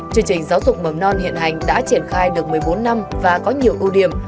chương trình giáo dục mầm non hiện hành đã triển khai được một mươi bốn năm và có nhiều ưu điểm